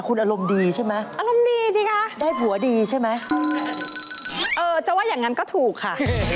คุณอารมณ์ดีใช่ไหมได้ผัวดีใช่ไหมเออจะว่าอย่างนั้นก็ถูกค่ะ